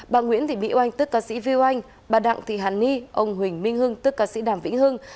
bà nguyễn thị mỹ oanh tức ca sĩ viu anh bà đặng thị hàn ni ông huỳnh minh hưng tức ca sĩ đàm vĩnh hưng